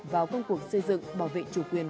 vào công cuộc xây dựng bảo vệ chủ quyền